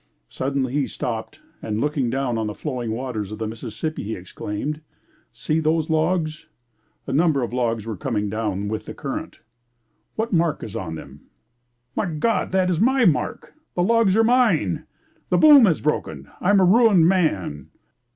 Suddenly he stopped and looking down on the flowing waters of the Mississippi, he exclaimed, "See those logs." A number of logs were coming down with the current. "What mark is on them? My God, that is my mark! the logs are mine! My boom has broken! I am a ruined man."